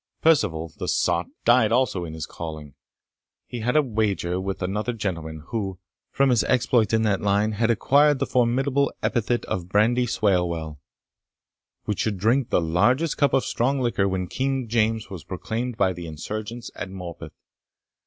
Perceval, the sot, died also in his calling. He had a wager with another gentleman (who, from his exploits in that line, had acquired the formidable epithet of Brandy Swalewell), which should drink the largest cup of strong liquor when King James was proclaimed by the insurgents at Morpeth.